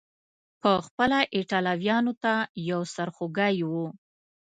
پخپله ایټالویانو ته یو سر خوږی و.